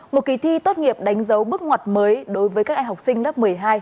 một kỳ thi tốt nghiệp đánh dấu bước ngoặt mới đối với các em học sinh lớp một mươi hai